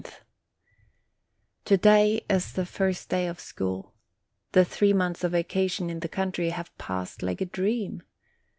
r ,i TO DAY, is the first day of school. The three months of vacation in the country have passed like a dream.